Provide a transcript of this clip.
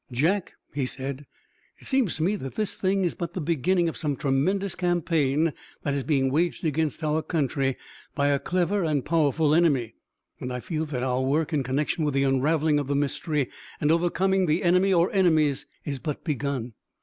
"Jack," he said, "it seems to me that this thing is but the beginning of some tremendous campaign that is being waged against our country by a clever and powerful enemy. And I feel that our work in connection with the unraveling of the mystery and overcoming the enemy or enemies is but begun.